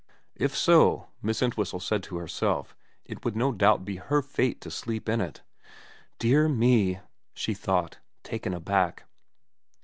If so, Miss Entwhistle said to herself, it would no doubt be her fate to sleep in it. Dear me, she thought, taken aback.